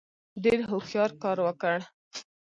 ډېر هوښیار کار وکړ.